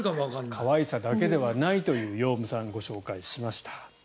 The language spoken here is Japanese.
可愛さだけではないというヨウムさんをご紹介しました。